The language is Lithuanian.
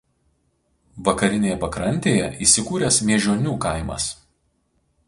Vakarinėje pakrantėje įsikūręs Miežionių kaimas.